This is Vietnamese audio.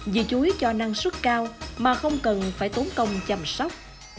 vì chuối cho năng suất cao mà không cần phải tốn công chăm sóc